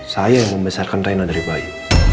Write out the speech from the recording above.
saya yang membesarkan reina dari bayi